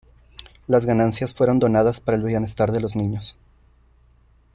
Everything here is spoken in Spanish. Las ganancias fueron donadas para el bienestar de los niños.